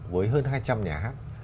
với hơn hai trăm linh nhà hát